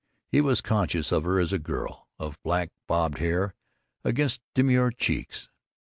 He was conscious of her as a girl, of black bobbed hair against demure cheeks.